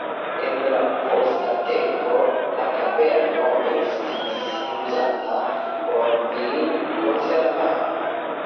En la posta tempo la kaverno estis uzata por vin-konservado.